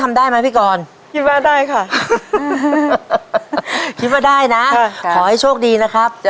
มาไปในตรงนี้ครับ